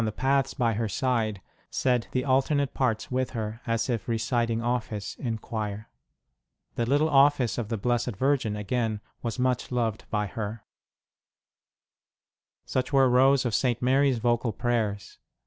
ROSE S SPECIAL DEVOTIONS AND CHARITIES 121 by her side, said the alternate parts with her as if reciting office in Choir. The little Office of the Blessed Virgin, again, was much loved by her. Such were Rose of St. Mary s vocal prayers.